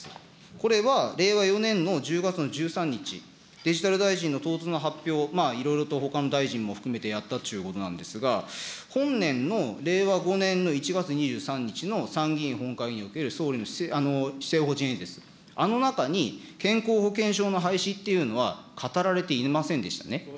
これは令和４年の１０月の１３日、デジタル大臣の唐突な発表、いろいろとほかの大臣も含めてやったっちゅうことなんですが、本年の令和５年の１月２３日の参議院本会議における総理の施政方針演説、あの中に、健康保険証の廃止っていうのは語られていませんでしたね。